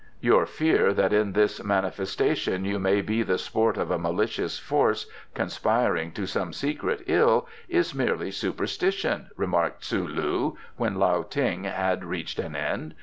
"Your fear that in this manifestation you may be the sport of a malicious Force, conspiring to some secret ill, is merely superstition," remarked Tzu lu when Lao Ting had reached an end.